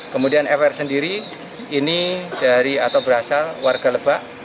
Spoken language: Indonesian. kemudian fr sendiri ini dari atau berasal warga lebak